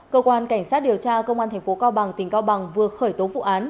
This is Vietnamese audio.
cơ quan cảnh sát điều tra công an tp cao bằng tỉnh cao bằng vừa khởi tố vụ án